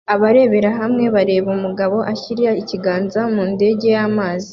Abarebera hamwe bareba umugabo ashyira ikiganza mu ndege y'amazi